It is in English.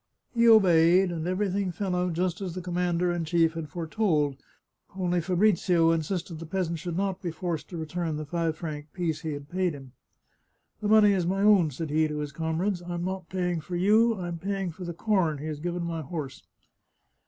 He obeyed, and everything fell out just as the commander in chief had foretold, only Fabrizio insisted the 59 The Chartreuse of Parma peasant should not be forced to return the five franc piece he had paid him. " The money is my own," said he to his comrades. " I'm not paying for you ; I'm paying for the corn he has given my horse."